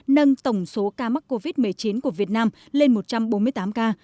nâng tổng số ca mắc covid một mươi chín của việt nam lên một trăm bốn mươi tám ca